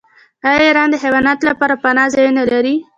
ایران د حیواناتو لپاره پناه ځایونه لري.